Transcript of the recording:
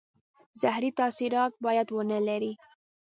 زهري تاثیرات باید ونه لري.